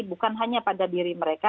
bukan hanya pada diri mereka